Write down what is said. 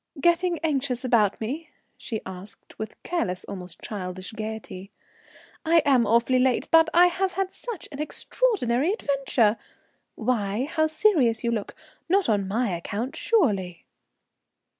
"Getting anxious about me?" she asked, with careless, almost childish gaiety. "I am awfully late, but I have had such an extraordinary adventure. Why, how serious you look! Not on my account, surely?"